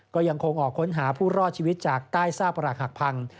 ก็ยังคงออกค้นหาผู้รอดชีวิตจากใต้ซากประหลักหักพัง